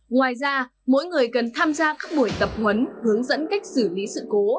ngoài ra mỗi người cần tham gia các buổi tập huấn hướng dẫn cách xử lý sự cố